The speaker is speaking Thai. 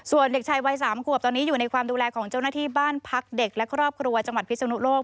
ส่วนเด็กชายวัย๓ขวบตอนนี้อยู่ในความดูแลของเจ้าหน้าที่บ้านพักเด็กและครอบครัวจังหวัดพิศนุโลก